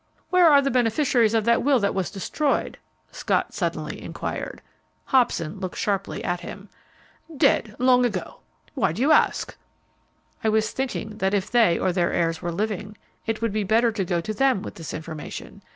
"Where are the beneficiaries of that will that was destroyed?" Scott suddenly inquired. Hobson looked sharply at him. "Dead, long ago. Why do you ask?" "I was thinking that if they or their heirs were living, it would be better to go to them with this information.